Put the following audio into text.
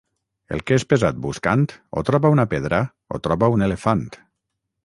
El que és pesat buscant, o troba una pedra o troba un elefant.